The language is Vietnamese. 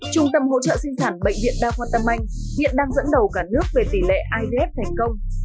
trung tâm hỗ trợ sinh sản bệnh viện đa khoa tâm anh hiện đang dẫn đầu cả nước về tỷ lệ ivf thành công